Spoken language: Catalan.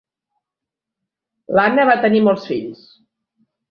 L'Anna va tenir molts fills.